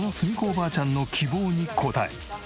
おばあちゃんの希望に応え。